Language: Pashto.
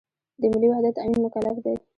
د ملي وحدت تأمین مکلف دی.